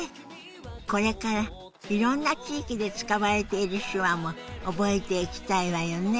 これからいろんな地域で使われている手話も覚えていきたいわよね。